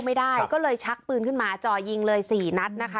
ไม่ได้ก็เลยชักปืนขึ้นมาจ่อยิงเลยสี่นัดนะคะ